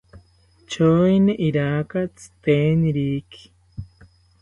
Choeni iraka tziteniriki